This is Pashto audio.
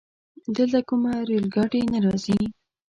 دلته کومه رايل ګاډی نه راځي؟